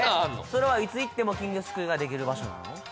それはいつ行っても金魚すくいができる場所なの？